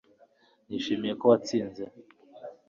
nishimiye ko watsinze